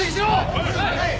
はい！